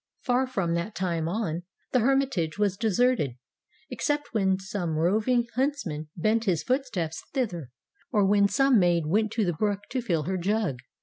For from that time on, the hermitage was deserted, except when some roving huntsman bent his footsteps thither, or when some maid went to the brook to fill her jug.